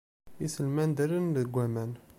Iselman ddren deg waman.